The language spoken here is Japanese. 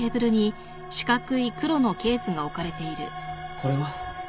これは？